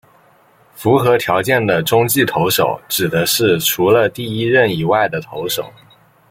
符合条件的中继投手指的是除了第一任以外的投手。